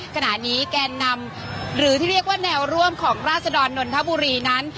ขณะนี้แกนนำหรือที่เรียกว่าแนวร่วมของราศดรนนทบุรีนั้น